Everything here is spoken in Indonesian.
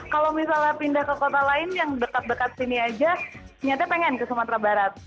kalau misalnya pindah ke kota lain yang dekat dekat sini aja ternyata pengen ke sumatera barat